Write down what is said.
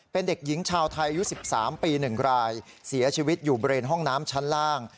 เป็นเด็กหญิงชาวไทยอายุ๑๓ปี๑รายเสียชีวิตอยู่บริเวณห้องน้ำชั้นล่าง